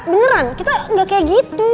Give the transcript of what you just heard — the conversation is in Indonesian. beneran kita gak kaya gitu